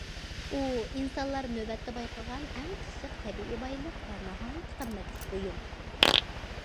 ئۇ ئىنسانلار نۆۋەتتە بايقىغان ئەڭ پىششىق تەبىئىي بايلىق ۋە ناھايىتى قىممەتلىك بۇيۇم.